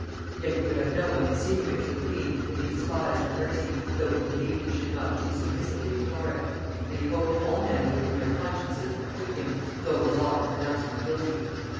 Yet he would have no one insinuate to the queen that he despised her mercy, though he believed he should not too submissively implore it; and he hoped all men would in their consciences acquit him, though the law had pronounced him guilty.